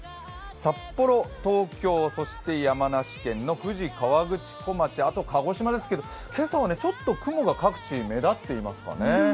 札幌、東京、そして山梨県の富士河口湖町、あと鹿児島ですけど、今朝はちょっと雲が各地、目立ってますかね。